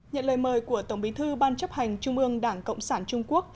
nhận lời mời của tổng bí thư ban chấp hành trung ương đảng cộng sản trung quốc